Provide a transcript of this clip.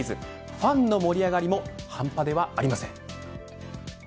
ファンの盛り上がりも半端ではありません。